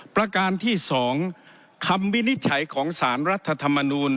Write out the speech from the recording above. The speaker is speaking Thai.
ประการที่๒คำวินิจฉัยของสารรัฐธรรมนูล